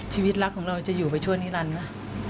ชีวิตรักของเราจะอยู่ไปช่วงนี้แล้วนะ